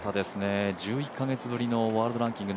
１１か月ぶりのワールドランキング